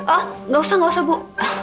oh gak usah gak usah bu